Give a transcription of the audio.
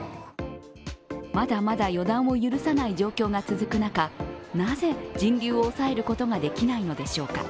まだまだ予断を許さない状況が続く中なぜ人流を抑えることができないのでしょうか。